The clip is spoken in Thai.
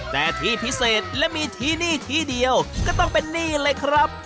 แต่ที่พิเศษและมีที่นี่ที่เดียวก็ต้องเป็นนี่เลยครับ